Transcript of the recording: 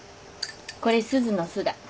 これすずの「す」だ。